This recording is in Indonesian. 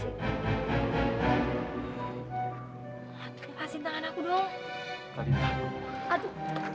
terima kasih ambassador kamu